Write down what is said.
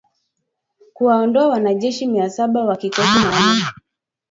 kuwaondoa wanajeshi mia saba wa kikosi maalum